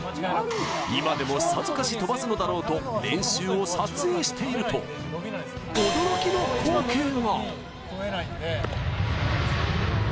今でもさぞかし飛ばすのだろうと練習を撮影していると驚きの光景が！